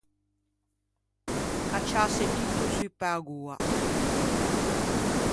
Cacciâse tutto zu pe-a goa.